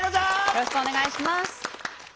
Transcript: よろしくお願いします。